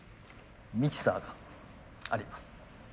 ミキサーがあります。